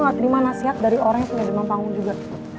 gak terima nasihat dari orang yang punya demam panggung juga